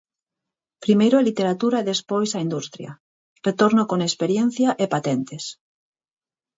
Primeiro a Literatura e despois a Industria: retorno, con experiencia e patentes.